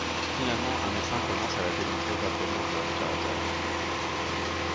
Finalement, un médecin commence à la débrancher graduellement du respirateur.